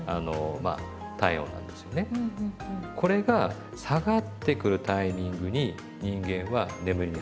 これが下がってくるタイミングに人間は眠りに入ってくる。